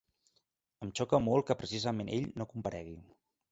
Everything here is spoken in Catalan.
Em xoca molt que precisament ell no comparegui.